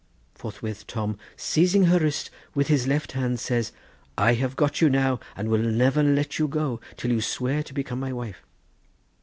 Forthwith Tom seizing her wrist with his left hand says: 'I have got you now, and will never let you go till you swear to become my wife.